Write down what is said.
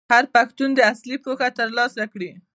هر پښتون دي عصري پوهه ترلاسه کړي.